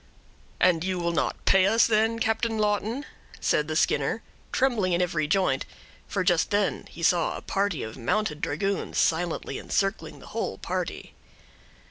"And you will not pay us, then, Captain Lawton?" said the Skinner, trembling in every joint, for just then he saw a party of mounted dragoons silently encircling the whole party.